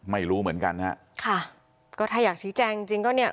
ไม่รู้เหมือนกันฮะค่ะก็ถ้าอยากชี้แจงจริงจริงก็เนี่ย